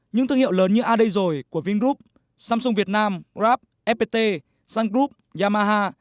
những thương hiệu lớn như a đây rồi của vingroup samsung việt nam grab fpt sun group yamaha